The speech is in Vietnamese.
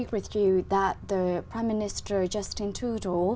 vì chúng tôi có nhiều năng lực